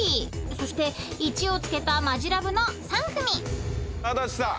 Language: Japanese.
［そして１を付けたマヂラブの３組］足立さん